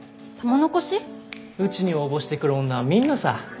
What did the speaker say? うちに応募してくる女はみんなさ。